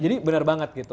jadi benar banget gitu